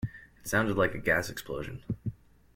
It sounded like a gas explosion.